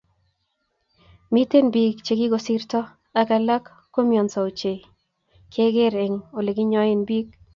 miten biik chegisirto, ak alak koumianso ochei ak keger eng oleginyoen biik